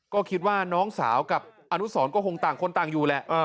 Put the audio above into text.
ก็คิดว่าน้องสาวกับอนุสรก็คงต่างคนต่างอยู่แหละ